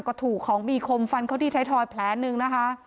ก็ถูกของมีคมฟันเขาที่ไทยทอยแผลหนึ่งนะคะ